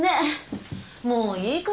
もういいかしら？